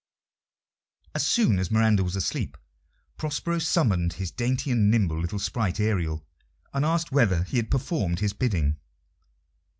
As soon as Miranda was asleep, Prospero summoned his dainty and nimble little sprite, Ariel, and asked whether he had performed his bidding.